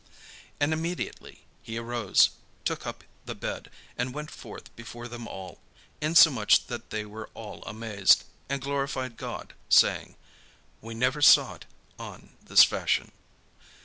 '" And immediately he arose, took up the bed, and went forth before them all; insomuch that they were all amazed, and glorified God, saying: "We never saw it on this fashion."